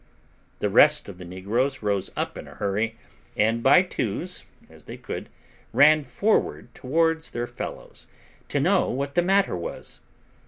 The rest of the negroes rose up in a hurry, and by twos, as they could, ran forward towards their fellows, to know what the matter was.